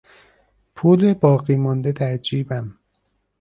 پول باقیمانده در جیبم